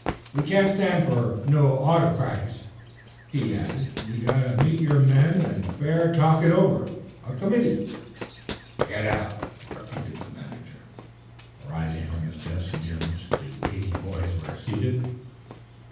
"We can't stand fer no autycrats!" he added. "You got to meet your men fair an' talk it over. A committee " "Get out!" repeated the manager, rising from his desk, near which the waiting boys were seated.